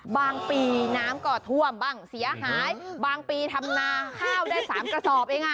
ปีน้ำก็ท่วมบ้างเสียหายบางปีทำนาข้าวได้๓กระสอบเองอ่ะ